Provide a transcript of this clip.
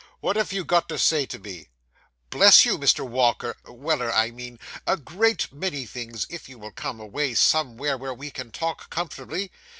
What have you got to say to me?' 'Bless you, Mr. Walker Weller, I mean a great many things, if you will come away somewhere, where we can talk comfortably.